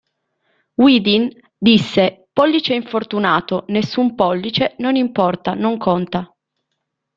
Weeden disse: "Pollice infortunato... nessun pollice... non importa, non conta.